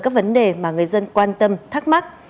các vấn đề mà người dân quan tâm thắc mắc